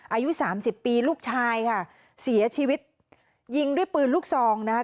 อายุสามสิบปีลูกชายค่ะเสียชีวิตยิงด้วยปืนลูกซองนะคะ